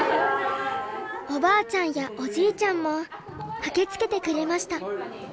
おばあちゃんやおじいちゃんも駆けつけてくれました。